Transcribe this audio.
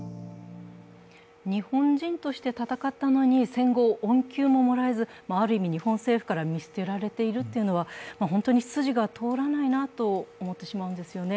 日本人として戦ったのに、戦後、恩給ももらえず、ある意味、日本政府から見捨てられているというのは本当に筋が通らないなと思ってしまうんですよね。